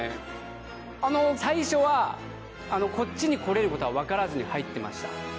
あの、最初はこっちに来れることは分からずに入ってました。